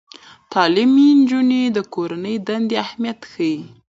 تعلیم نجونو ته د کورنۍ دندې اهمیت ښيي.